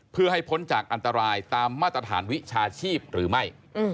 เพื่อให้พ้นจากอันตรายตามมาตรฐานวิชาชีพหรือไม่